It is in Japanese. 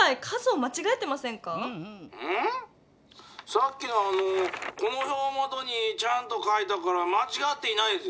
さっきのこの表をもとにちゃんと書いたからまちがっていないぜぇ。